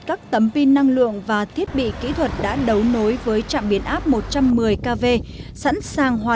các tấm pin năng lượng và thiết bị kỹ thuật đã đấu nối với trạm biến áp một trăm một mươi kv sẵn sàng hòa